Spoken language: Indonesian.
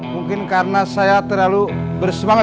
mungkin karena saya terlalu bersemangat